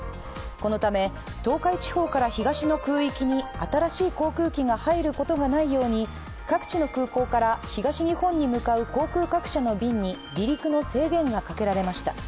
このため東海地方から東の空域に新しい航空機が入ることがないように各地の空港から東日本に向かう航空各社の便に離陸の制限がかけられました。